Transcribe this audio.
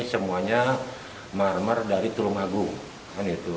semuanya marmer dari tulung agung